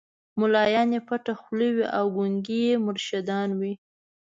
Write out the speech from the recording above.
مُلایان یې پټه خوله وي او ګونګي یې مرشدان وي